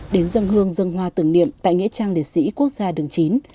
đến dân hương dân hoa tưởng niệm tại nghĩa trang địa sĩ quốc gia đường chính